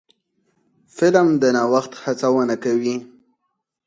فلم د نوښت هڅونه کوي